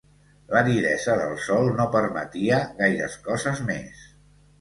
L'aridesa del sòl no permetia gaires coses més.